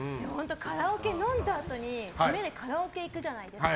飲んだあとに締めでカラオケ行くじゃないですか。